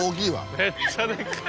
めっちゃデカい。